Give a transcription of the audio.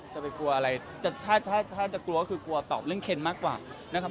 จะไปกลัวอะไรถ้าจะกลัวก็คือกลัวตอบเรื่องเคนมากกว่านะครับ